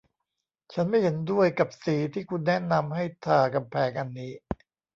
ฉันไม่เห็นด้วยกับสีที่คุณแนะนำให้ทากำแพงอันนี้